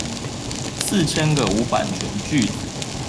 四千個無版權句子